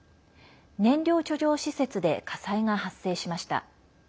燃料貯蔵施設で火災が発生しました。